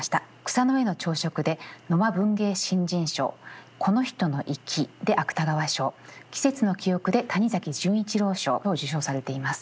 「草の上の朝食」で野間文芸新人賞「この人の閾」で芥川賞「季節の記憶」で谷崎潤一郎賞を受賞されています。